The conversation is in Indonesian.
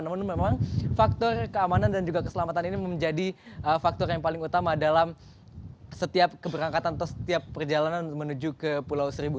namun memang faktor keamanan dan juga keselamatan ini menjadi faktor yang paling utama dalam setiap keberangkatan atau setiap perjalanan menuju ke pulau seribu